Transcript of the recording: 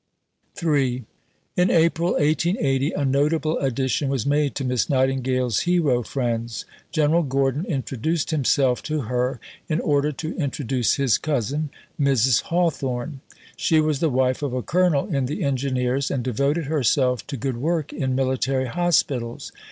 III In April 1880 a notable addition was made to Miss Nightingale's hero friends. General Gordon introduced himself to her in order to introduce his cousin, Mrs. Hawthorn. She was the wife of a Colonel in the Engineers, and devoted herself to good work in military hospitals.